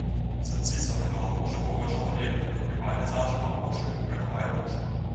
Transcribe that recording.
Садзіцца на галаву жывога чалавека, выпівае зажыва вочы і вырывае душу.